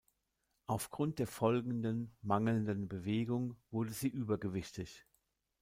Aufgrund der folgenden mangelnden Bewegung wurde sie übergewichtig.